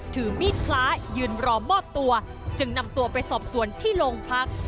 ถือมีดพระยืนรอมอบตัวจึงนำตัวไปสอบสวนที่โรงพัก